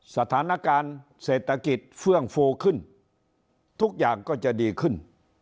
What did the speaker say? สถานการณ์เศรษฐกิจเฟื่องฟูขึ้นทุกอย่างก็จะดีขึ้น